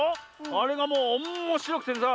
あれがもうおんもしろくてさ